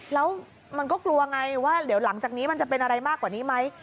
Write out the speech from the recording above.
แล้วมันก็กลัวไงว่าเดี๋ยวหลังจากนี้มันจะเป็นอะไรมากกว่านี้ไหม